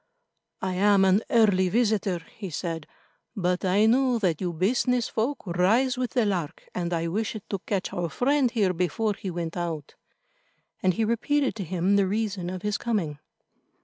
"I am an early visitor," he said, "but I knew that you business folk rise with the lark, and I wished to catch our friend here before he went out," and he repeated to him the reason of his coming.